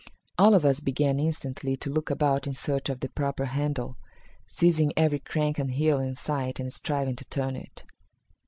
All of us began instantly to look about in search of the proper handle, seizing every crank and wheel in sight and striving to turn it.